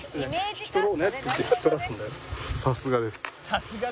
「引き撮ろうね」って言って引き撮らすんだよ。